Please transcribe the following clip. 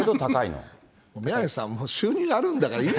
宮根さん、もう収入あるんだ違う。